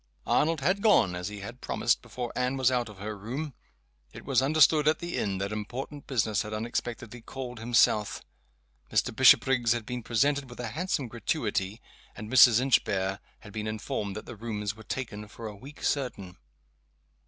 Arnold had gone, as he had promised, before Anne was out of her room. It was understood at the inn that important business had unexpectedly called him south. Mr. Bishopriggs had been presented with a handsome gratuity; and Mrs. Inchbare had been informed that the rooms were taken for a week certain.